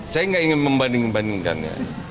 saya nggak ingin membanding bandingkannya